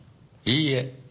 いいえ。